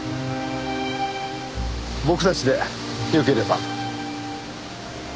僕たちでよければ。